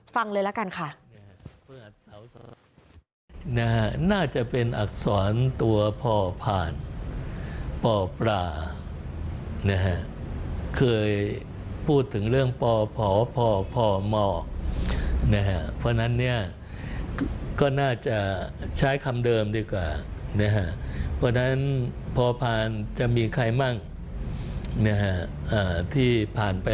ฟังเลยละกันค่ะ